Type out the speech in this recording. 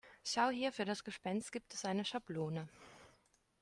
Schau hier, für das Gespenst gibt es eine Schablone.